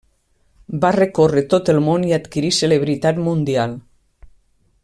Va recórrer tot el món i adquirí celebritat mundial.